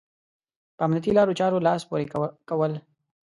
په امنيتي لارو چارو لاس پورې کول.